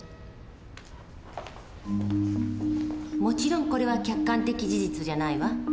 もちろんこれは客観的事実じゃないわ。